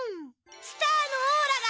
スターのオーラが。